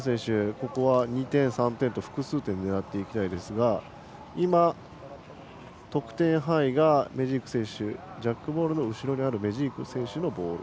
ここは２点、３点と複数点、狙っていきたいですが今、得点範囲がメジーク選手がジャックボールの後ろにあるメジーク選手のボール。